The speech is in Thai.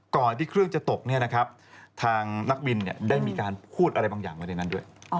ก่อนที่เครื่องจะตกทางนักบินได้มีการพูดอะไรบางอย่างไว้ในนั้นด้วย